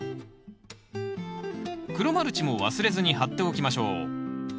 黒マルチも忘れずに張っておきましょう